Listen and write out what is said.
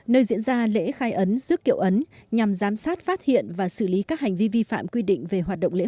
nơi diễn ra lễ khai ấn giữa kiệu ấn nhằm giám sát phát hiện và xử lý các hành vi vi phạm quy định về hoạt động lễ hội